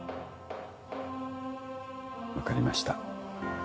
分かりました。